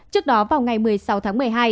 trước đó vào ngày một mươi sáu tháng một mươi hai